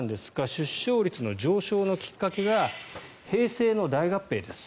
出生率の上昇のきっかけが平成の大合併です。